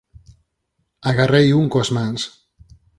Agarrei un coas mans.